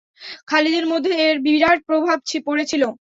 খালিদের মধ্যেও এর বিরাট প্রভাব পড়েছিল।